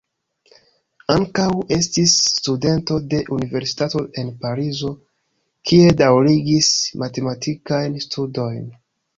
Ankaŭ estis studento de Universitato en Parizo, kie daŭrigis matematikajn studojn.